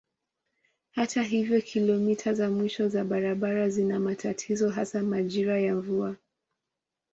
Hata hivyo kilomita za mwisho za barabara zina matatizo hasa majira ya mvua.